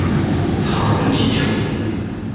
Texreb nniyya-w.